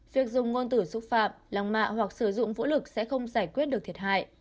việc dùng ngôn tử xúc phạm lăng mạ hoặc sử dụng vũ lực sẽ không giải quyết được thiệt hại